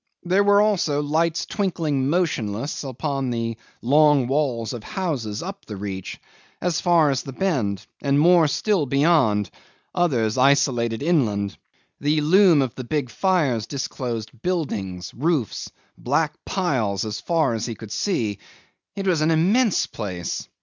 There were also lights twinkling motionless upon the long walls of houses up the reach, as far as the bend, and more still beyond, others isolated inland. The loom of the big fires disclosed buildings, roofs, black piles as far as he could see. It was an immense place.